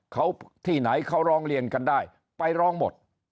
เขาที่ไหนเขาร้องเรียนกันได้ไปร้องหมด